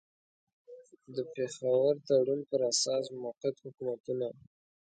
د پېښور تړون پر اساس موقت حکومتونه.